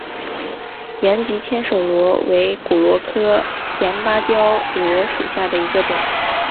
岩棘千手螺为骨螺科岩芭蕉螺属下的一个种。